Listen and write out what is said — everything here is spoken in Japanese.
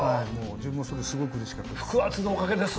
自分もそれすごくうれしかったです。